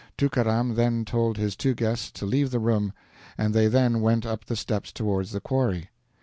Tookaram then told his two guests to leave the room, and they then went up the steps towards the quarry.